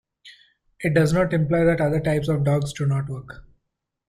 It does not imply that other types of dogs do not work.